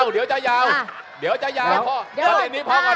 เดี๋ยวจะยาวพ่อ